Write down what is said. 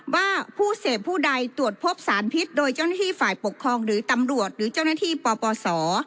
ว่าผู้เสพผู้ใดตรวจพบสารพิษโดยเจ้าหน้าที่ฝ่ายปกครองหรือตำรวจหรือเจ้าหน้าที่ปปศ